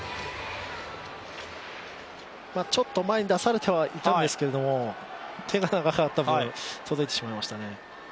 ちょっと前に出されてはいたんですけれども、手が長かった分、届いてしまいましたね。